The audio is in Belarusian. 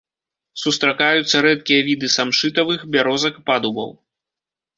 Сустракаюцца рэдкія віды самшытавых, бярозак, падубаў.